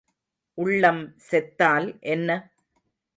உள்ளம் செத்தால் என்ன?